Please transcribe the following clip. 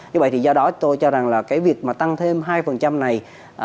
như vậy thì do đó tôi cho rằng là cái việc mà tăng thêm hai này